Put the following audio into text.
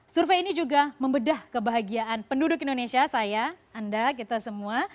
survei ini juga membedah kebahagiaan penduduk indonesia saya anda kita semua